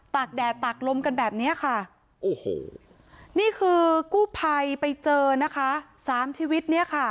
ตากแดดตากลมกันแบบนี้ค่ะนี่คือกู้ภัยไปเจอ๓ชีวิต